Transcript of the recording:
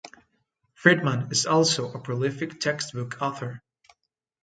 Friedman is also a prolific textbook author.